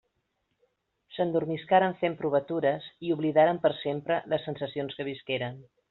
S'endormiscaren fent provatures i oblidaren per sempre les sensacions que visqueren.